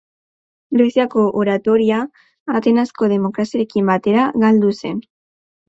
Greziako oratoria Atenasko demokraziarekin batera galdu zen.